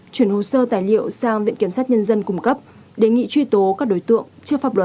chuyển hồ sơ tài liệu sang viện kiểm sát nhân dân cung cấp đề nghị truy tố các đối tượng trước pháp luật